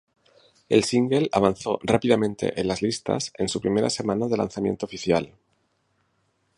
El single avanzó rápidamente en las listas en su primera semana de lanzamiento oficial.